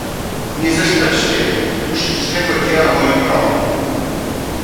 "Nie zeszpećcie tu ślicznego dzieła moich rąk!"